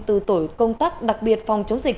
từ tổ công tác đặc biệt phòng chống dịch